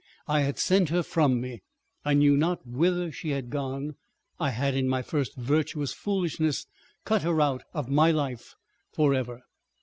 I had sent her from me; I knew not whither she had gone. I had in my first virtuous foolishness cut her out of my life for ever!